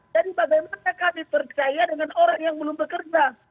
bagaimana kami percaya dengan orang yang belum bekerja